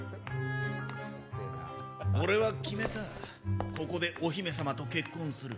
俺は決めたここでお姫様と結婚する。